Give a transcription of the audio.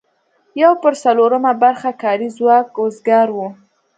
یو پر څلورمه برخه کاري ځواک وزګار و.